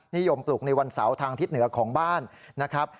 นิยมปลูกในวันเสาร์ทางทิศเหนือของบ้านนะครับ